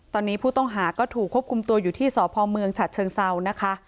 ตอนนี้ผู้ต้องหาก็ถูกควบคุมตัวอยู่ที่สพเมืองฉัดเชิงเซานะคะ